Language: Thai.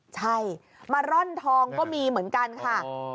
ใช่มาร่อนทองก็มีเหมือนกันค่ะ